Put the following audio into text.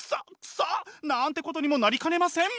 臭っ！なんてことにもなりかねません。